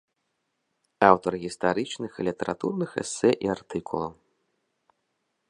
Аўтар гістарычных і літаратурных эсэ і артыкулаў.